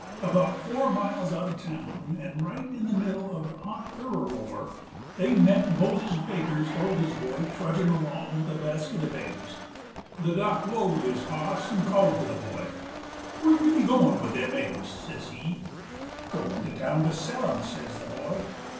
About four miles out uv town 'nd right in the middle uv the hot peraroor they met Moses Baker's oldest boy trudgin' along with a basket uv eggs. The Dock whoaed his hoss 'nd called to the boy, "Where be you goin' with them eggs?" says he. "Goin' to town to sell 'em," says the boy.